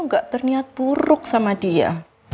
nggak berniat buruk sama dia